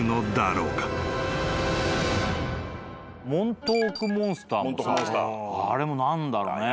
モントークモンスターもさあれも何だろうね。